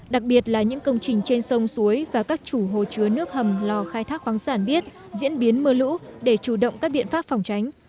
đặc biệt là những công trình trên sông suối và các chủ hồ chứa nước hầm lò khai thác khoáng sản biết diễn biến mưa lũ để chủ động các biện pháp phòng tránh